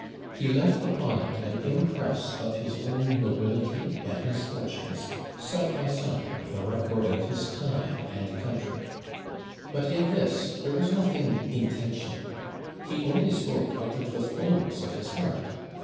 He left upon it an impress of his own nobility and misfortunes side by side with a record of his time and country. But in this there was nothing intentional. He only spoke out of the fullness of his heart.